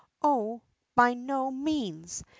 Oh, by no means !